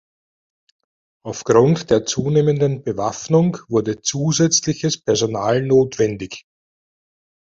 Aufgrund der zunehmenden Bewaffnung wurde zusätzliches Personal notwendig.